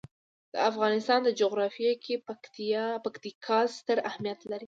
د افغانستان جغرافیه کې پکتیکا ستر اهمیت لري.